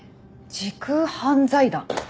時空犯罪団？